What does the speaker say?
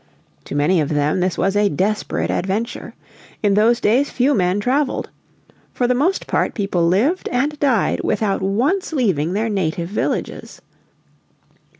To many of them this was a desperate adventure. In those days few men traveled. For the most part people lived and died without once leaving their native villages.